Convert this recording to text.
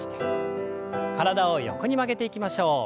体を横に曲げていきましょう。